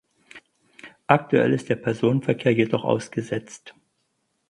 Aktuell ist der Personenverkehr jedoch ausgesetzt.